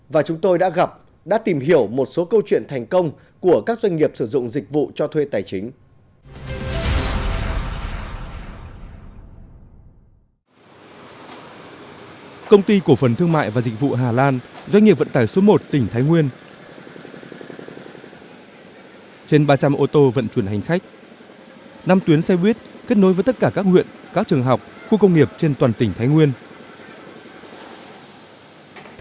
và chúng tôi đã gặp đã tìm hiểu một số câu chuyện thành công của các doanh nghiệp sử dụng dịch vụ cho thuê tài chính